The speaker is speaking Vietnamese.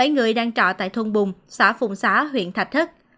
bảy người đang trọ tại thôn bùng xã phùng xá huyện thạch thất